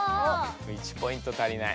１ポイント足りない。